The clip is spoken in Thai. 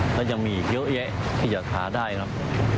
ก็ยังมีอีกเยอะแยะที่จะทาได้ครับ